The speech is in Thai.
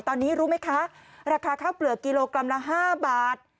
ตอนนี้รู้ไหมคะราคาข้าวเปลือกกิโลกรัมละ๕บาท